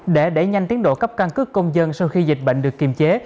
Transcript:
để đẩy nhanh tiến độ cấp căn cước công dân sau khi dịch bệnh được kiềm chế